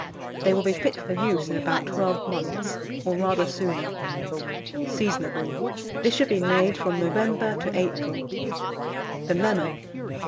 They will be fit for use in about 12 months, or rather sooner. Seasonable. This should be made from November to April. THE LEMON.